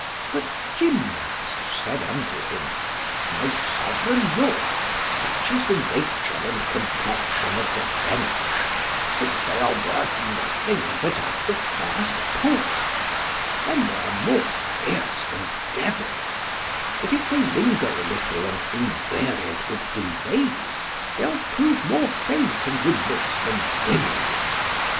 But Gymnast said unto him, My sovereign lord, such is the nature and complexion of the French, that they are worth nothing but at the first push. Then are they more fierce than devils. But if they linger a little and be wearied with delays, they'll prove more faint and remiss than women.